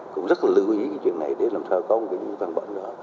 cũng rất là lưu ý cái chuyện này để làm sao có một cái vấn đề đó